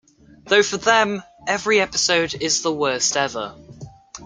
Though for them, every episode is the worst ever.